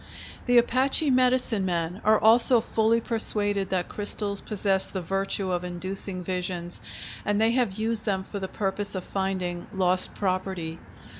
The Apache medicine men are also fully persuaded that crystals possess the virtue of inducing visions, and they have used them for the purpose of finding lost property.